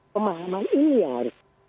pemahaman ini yang harus